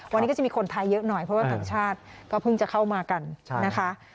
วันนี้ก็จะมีคนไทยเยอะหน่อยเพราะว่าต่างชาติก็เพิ่งจะเข้ามากันนะคะ